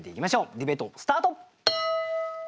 ディベートスタート。